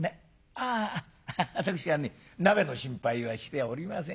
あ私はね鍋の心配はしておりません。